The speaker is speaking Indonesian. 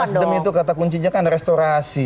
nasdem itu kata kuncinya kan restorasi